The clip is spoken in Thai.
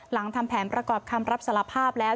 ทำแผนประกอบคำรับสารภาพแล้ว